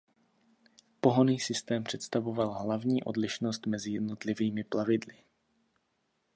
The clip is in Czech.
Pohonný systém představoval hlavní odlišnost mezi jednotlivými plavidly.